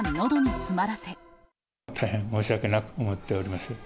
大変申し訳なく思っております。